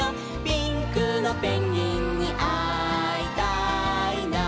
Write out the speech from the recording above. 「ピンクのペンギンにあいたいな」